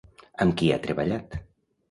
Amb qui ha treballat?